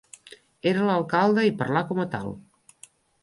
Era l'alcalde i parlà com a tal.